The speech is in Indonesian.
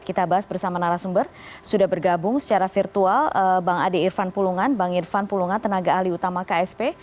kita bahas bersama narasumber sudah bergabung secara virtual bang ade irfan pulungan bang irfan pulungan tenaga ahli utama ksp